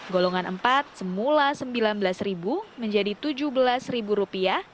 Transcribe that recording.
golongan empat semula rp sembilan belas menjadi rp tujuh belas